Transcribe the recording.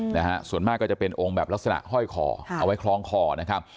นะฮะส่วนมากก็จะเป็นองค์แบบลักษณะห้อยคอค่ะเอาไว้คล้องคอนะครับ